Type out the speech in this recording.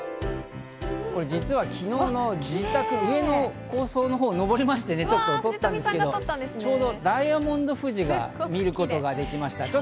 これ、実は昨日の自宅で上の高層のほう登りまして撮ったんですけど、ちょうどダイヤモンド富士を見ることができました。